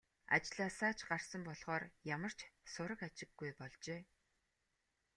Ажлаасаа ч гарсан болохоор ямар ч сураг ажиггүй болжээ.